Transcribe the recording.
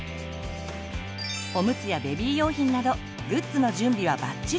おむつやベビー用品などグッズの準備はバッチリ。